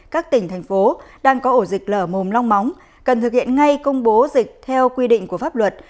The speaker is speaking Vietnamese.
các tỉnh thành phố đang có ổ dịch lở mồm long móng cần thực hiện ngay công bố dịch theo quy định của pháp luật